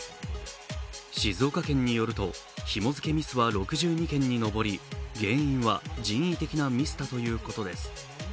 静岡県によると、ひも付けミスは６２件に上り、原因は人為的なミスだということです。